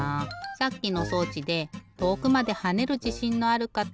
さっきの装置で遠くまで跳ねるじしんのあるかた。